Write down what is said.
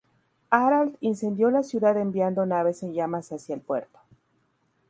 Harald incendió la ciudad enviando naves en llamas hacia el puerto.